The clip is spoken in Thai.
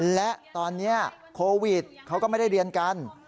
และตอนนี้โควิดเขาก็ไม่ได้เรียนกัน